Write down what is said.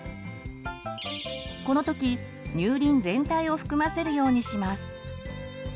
この時乳輪全体を含ませるようにします。